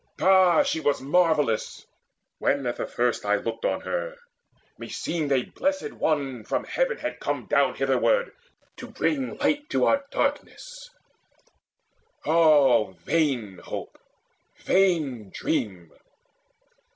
Ah, she was marvellous! When at the first I looked on her, meseemed a Blessed One From heaven had come down hitherward to bring Light to our darkness ah, vain hope, vain dream!